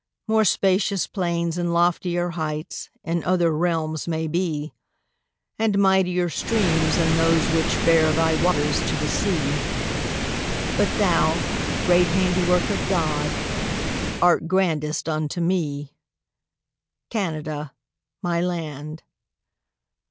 More spacious plains and loftier heights In other realms may be, And mightier streams than those which bear Thy waters to the sea; But thou, great handiwork of God, Art grandest unto me, Canada, my land.